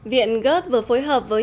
viện gớt vừa phối hợp với